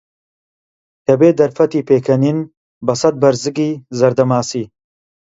کەبێ دەرفەتی پێکەنینن بەسەد بەرزگی زەردە ماسی